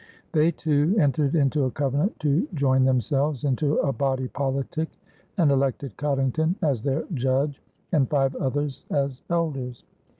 They, too, entered into a covenant to join themselves into a body politic and elected Coddington as their judge and five others as elders.